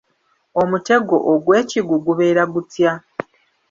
Omutego ogw'ekigu gubeera gutya?